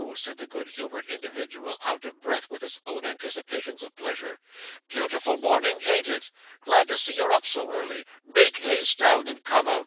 said the good humoured individual, out of breath with his own anticipations of pleasure.'Beautiful morning, ain't it? Glad to see you up so early. Make haste down, and come out.